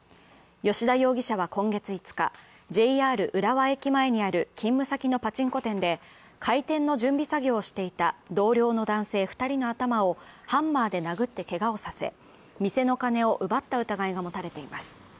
葭田容疑者は今月５日ＪＲ浦和駅前にある勤務先のパチンコ店で開店の準備作業をしていた同僚の男性２人の頭をハンマーで殴ってけがをさせ、店の金を奪った疑いが持たれています。